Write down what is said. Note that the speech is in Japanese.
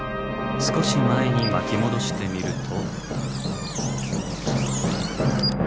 少し前に巻き戻してみると。